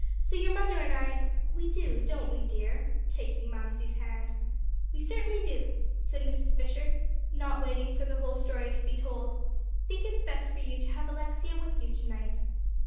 So your mother and I we do, don't we, dear?" taking Mamsie's hand. "We certainly do," said Mrs. Fisher, not waiting for the whole story to be told, "think it's best for you to have Alexia with you to night."